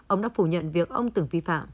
ông đã phủ nhận việc ông từng vi phạm